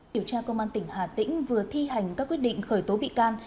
điều tra công an tỉnh hà tĩnh vừa thi hành các quyết định khởi tố bị can